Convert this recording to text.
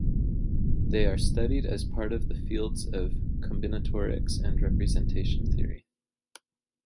They are studied as part of the fields of combinatorics and representation theory.